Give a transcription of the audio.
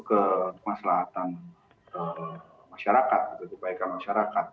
kemaslahatan masyarakat kebaikan masyarakat